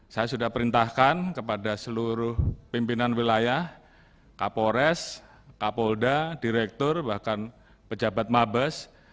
saya sudah perintahkan kepada seluruh pimpinan wilayah kapolres kapolda direktur bahkan pejabat mabes